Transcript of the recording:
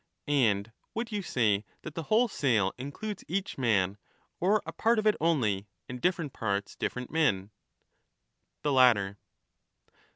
And would you say that the whole sail includes each man, or a part of it only, and different parts different men ? The latter.